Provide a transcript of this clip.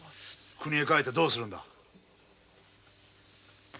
くにへ帰ってどうするんだ？